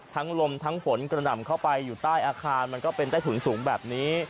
ลมทั้งฝนกระหน่ำเข้าไปอยู่ใต้อาคารมันก็เป็นใต้ถุนสูงแบบนี้